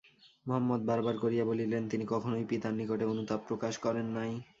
মহম্মদ বার বার করিয়া বলিলেন, তিনি কখনোই পিতার নিকটে অনুতাপ প্রকাশ করেন নাই।